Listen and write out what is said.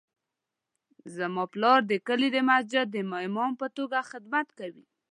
زما پلار د کلي د مسجد د امام په توګه خدمت کوي